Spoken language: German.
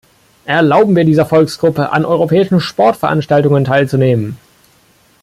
Erlauben wir dieser Volksgruppe, an europäischen Sportveranstaltungen teilzunehmen.